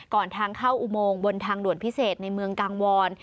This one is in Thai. ทางเข้าอุโมงบนทางด่วนพิเศษในเมืองกางวอน